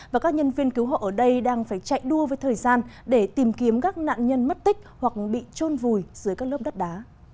và các nhân viên cứu hộ ở đây đang phải chạy đua với thời gian để tìm kiếm các nạn nhân mất tích hoặc bị trôn vùi dưới các lớp đất đá